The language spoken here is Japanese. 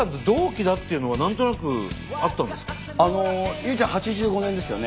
唯ちゃん８５年ですよね？